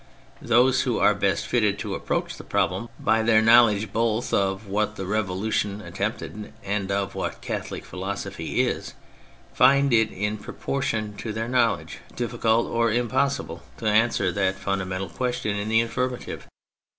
Those who are best fitted to approach the problem by their knowledge both of what the Revolution attempted and of what Catholic philosophy is, find it in proportion to their knowledge difficult or impossible to answer that fundamental question in the affirmative.